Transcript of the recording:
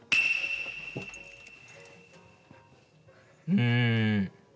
うん。